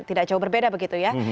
tidak jauh berbeda begitu ya